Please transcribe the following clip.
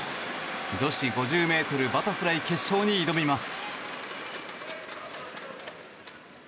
女子５０ｍバタフライ決勝に挑みます。